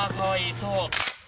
そう。